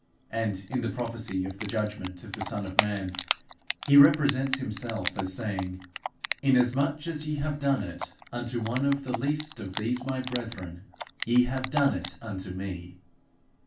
And in the prophecy of the judgment of the Son of man, he represents himself as saying, 'Inasmuch as ye have done it unto one of the least of these my brethren, ye have done it unto me.'